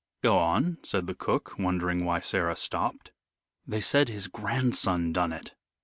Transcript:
"Go on," said the cook, wondering why Sarah stopped. "They said his grandson done it."